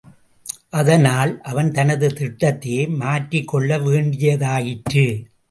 அதனால் அவன் தனது திட்டத்தையே மாற்றிக்கொள்ள வேண்டியதாயிற்று.